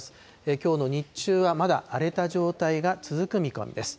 きょうの日中はまだ荒れた状態が続く見込みです。